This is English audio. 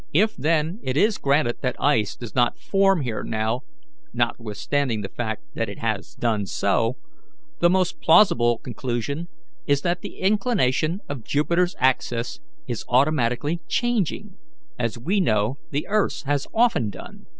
If, then, it is granted that ice does not form here now, notwithstanding the fact that it has done so, the most plausible conclusion is that the inclination of Jupiter's axis is automatically changing, as we know the earth's has often done.